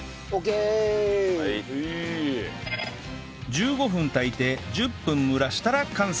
１５分炊いて１０分蒸らしたら完成！